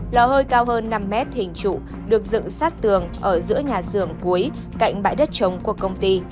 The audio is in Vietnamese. lò hơi cao hơn năm mét hình trụ được dựng sát tường ở giữa nhà xưởng cuối cạnh bãi đất trống của công ty